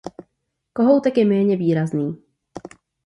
Kohoutek je méně výrazný.